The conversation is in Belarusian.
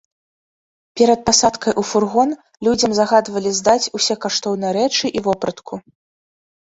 Перад пасадкай у фургон, людзям загадвалі здаць усе каштоўныя рэчы і вопратку.